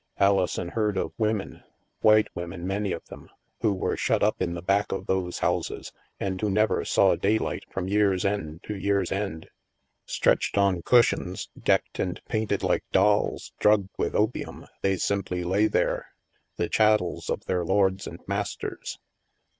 Alison heard of women, white women many of them, who were shut up in the back of those houses, and who never saw daylight from year's end to year's end. Stretched on cushions, decked and painted like dolls, drugged with opium, they simply lay there, the chat tels of their lords and masters.